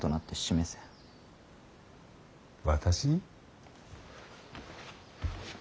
私？